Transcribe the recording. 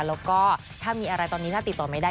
แล้วก็ถ้ามีอะไรตอนนี้น่าติดต่อไม่ได้